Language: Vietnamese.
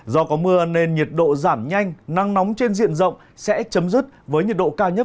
do có mưa nên nhiệt độ giảm nhanh năng nóng trên diện rộng sẽ chấm dứt với nhiệt độ cao nhất